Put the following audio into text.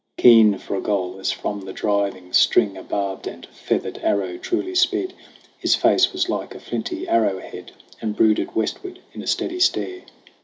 Keen for a goal, as from the driving string A barbed and feathered arrow truly sped, His face was like a flinty arrow head, And brooded westward in a steady stare.